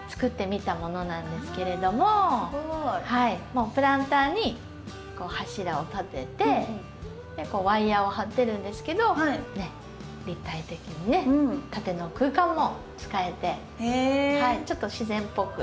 もうプランターに柱を立ててワイヤーを張ってるんですけど立体的にね縦の空間も使えてちょっと自然っぽく。